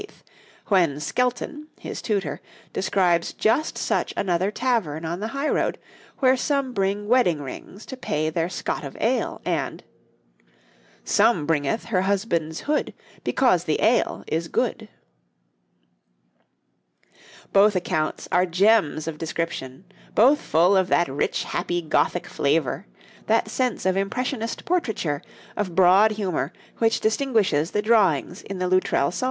when Skelton, his tutor, describes just such another tavern on the highroad, where some bring wedding rings to pay their scot of ale, and 'Some bryngeth her husband's hood Because the ale is good.' Both accounts are gems of description, both full of that rich, happy, Gothic flavour, that sense of impressionist portraiture, of broad humour, which distinguishes the drawings in the Loutrell Psalter.